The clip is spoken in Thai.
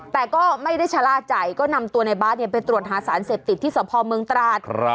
แต่ก็ไม่ได้ชะล่าใจก็นำตัวในบาสไปตรวจหาสารเสพติดที่สพเมืองตราด